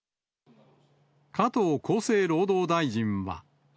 加藤厚生労働大臣は。